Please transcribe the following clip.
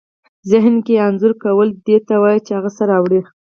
ذهن کې انځور کول دې ته وايي چې هغه څه راولئ.